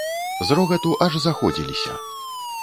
З рогату аж заходзіліся.